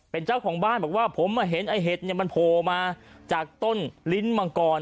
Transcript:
เป็นเจ้าของบ้านบอกว่าผมเห็นไอ้เห็ดมันโผล่มาจากต้นลิ้นมังกร